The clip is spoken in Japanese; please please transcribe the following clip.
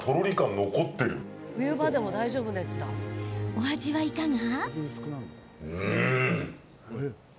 お味は、いかが？